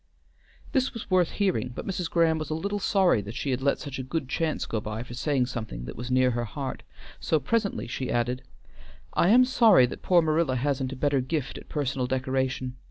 This was worth hearing, but Mrs. Graham was a little sorry that she had let such a good chance go by for saying something that was near her heart, so presently she added, "I am sorry that poor Marilla hasn't a better gift at personal decoration.